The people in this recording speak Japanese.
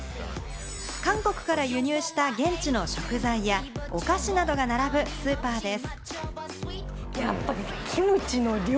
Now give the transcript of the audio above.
韓国から輸入した現地の食材や、お菓子などが並ぶスーパーです。